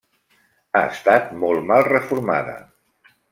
Ha estat molt mal reformada.